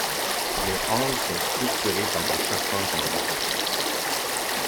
Les halles sont structurées par des charpentes en bois.